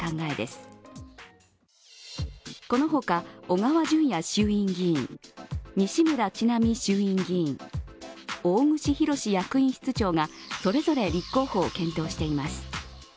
この他、小川淳也衆院議員、西村智奈美衆院議員、大串博志役員室長がそれぞれ立候補を検討しています。